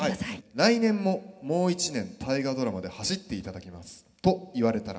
「来年ももう一年『大河ドラマ』で走っていただきますと言われたら」。